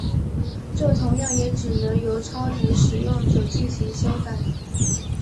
这同样也只能由超级使用者进行修改。